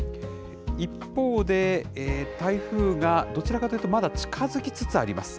一方で、台風がどちらかというとまだ近づきつつあります。